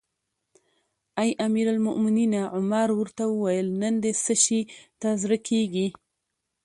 اې امیر المؤمنینه! عمر ورته وویل: نن دې څه شي ته زړه کیږي؟